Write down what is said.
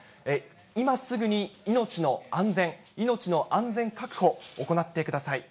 今すぐに命の安全、命の安全確保、行ってください。